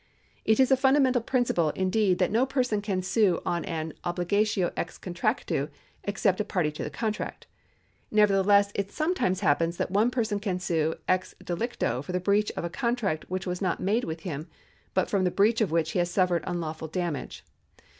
It is a fundamental principle, indeed, that no person can sue on an obligatio ex contractu, except a party to the contract ; nevertheless it sometimes happens that one person can sue ex delicto for the breach of a contract which was not made with him, but from the breach of which he has suffered unlawful damage.